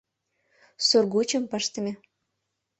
— Сургучым пыштыме.